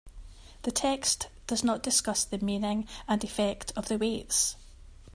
The text does not discuss the meaning and effect of the weights.